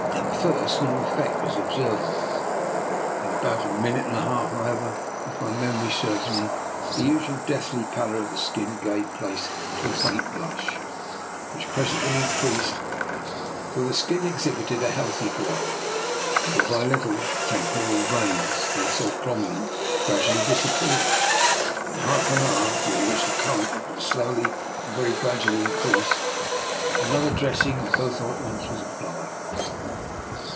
At first no effect was observable. In about a minute and a half, however, if my memory serves me, the usual deathly pallor of the skin gave place to a faint blush, which presently increased until the skin exhibited a healthy 1 88 DR. NIKOLA'S EXPERIMENT. glow; little by little the temporal veins, until then so prominent, gradually disappeared. In half an hour, during which the current had been slowly and very gradually increased, an other dressing of both ointments was applied.